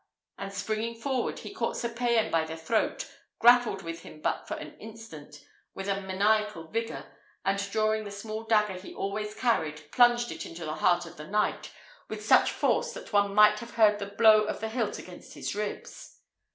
And springing forward, he caught Sir Payan by the throat, grappled with him but for an instant, with a maniacal vigour, and drawing the small dagger he always carried, plunged it into the heart of the knight, with such force that one might have heard the blow of the hilt against his ribs.